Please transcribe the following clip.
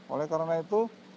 oleh karena itu